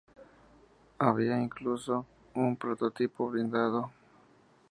Había incluso un prototipo blindado.